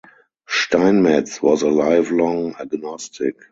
Steinmetz was a lifelong agnostic.